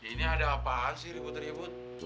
ini ada apaan sih ribut ribut